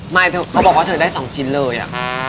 เขาบอกว่าเธอได้๒ชิ้นเลยอะ